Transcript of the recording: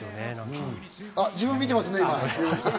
今、自分見てますね。